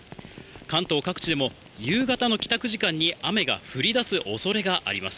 関東各地でも、夕方の帰宅時間に雨が降りだすおそれがあります。